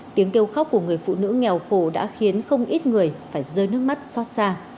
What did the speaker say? tiếng kêu khóc của người phụ nữ nghèo khổ đã khiến không ít người phải rơi nước mắt xót xa